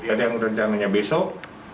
ada yang rencananya besok